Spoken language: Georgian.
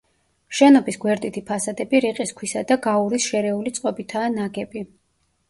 შენობის გვერდითი ფასადები რიყის ქვისა და გაურის შერეული წყობითაა ნაგები.